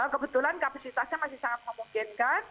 kebetulan kapasitasnya masih sangat memungkinkan